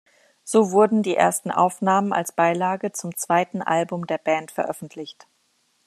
So wurden die ersten Aufnahmen als Beilage zum zweiten Album der Band veröffentlicht.